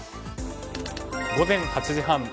午前８時半。